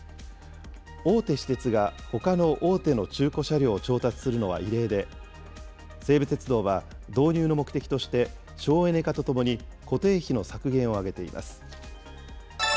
大手私鉄がほかの大手の中古車両を調達するのは異例で、西武鉄道は導入の目的として省エネ化とともに、固定費の削減を挙げています。